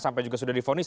sampai juga sudah difonis